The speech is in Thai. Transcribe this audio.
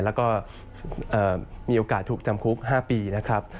แล้วก็มีโอกาสถูกจำคุก๕ปีนะครับ